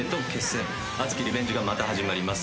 熱きリベンジがまた始まります。